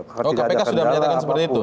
oh kpk sudah menyatakan seperti itu